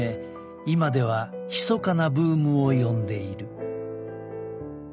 今ではひそかなブームを呼んでいる。